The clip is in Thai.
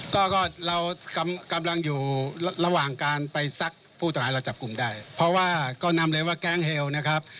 ก็ก็เรากำลังอยู่ระหว่างการไปซักผู้ต้องหาเราจับกลุ่มได้เพราะว่าก็นำเลยว่าแก๊งเฮลนะครับ